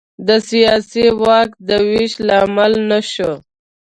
د سیاسي واک د وېش لامل نه شو.